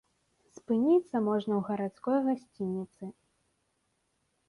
Спыніцца можна ў гарадской гасцініцы.